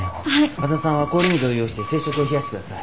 和田さんは氷水を用意して生食を冷やしてください。